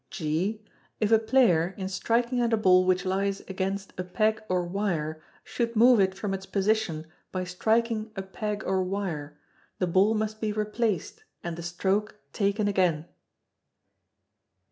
(g) If a player, in striking at a ball which lies against a peg or wire, should move it from its position by striking a peg or wire, the ball must be replaced, and the stroke taken again.